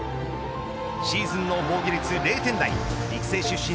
シーズンの防御率０点台育成出身